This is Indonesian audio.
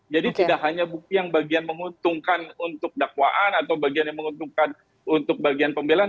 jadi tidak hanya bukti yang bagian menguntungkan untuk dakwaan atau bagian yang menguntungkan untuk bagian pembelian